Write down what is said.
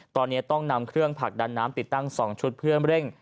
ตอนนี้ต้องนำเครื่องผลักดันน้ำติดตั้ง๒ชุดเพื่อเร่ง